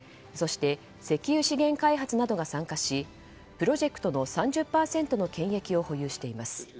大手商社の伊藤忠商事と丸紅そして、石油資源開発などが参加しプロジェクトの３０％の権益を保有しています。